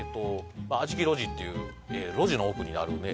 あじき路地っていう路地の奥にあるね